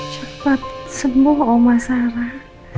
cepat sembuh oma sarah